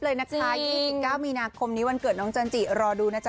เตรียมอะไรบ้างที่เขาต้องให้น้องนั่ง